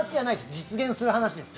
実現する話です。